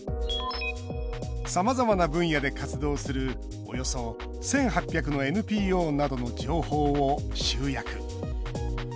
さまざまな分野で活動するおよそ１８００のＮＰＯなどの情報を集約。